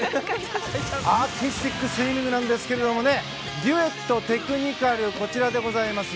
アーティスティックスイミングなんですがデュエット・テクニカルこちらでございます。